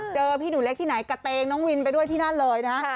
เจอพี่หนูเล็กที่ไหนกระเตงน้องวินไปด้วยที่นั่นเลยนะฮะ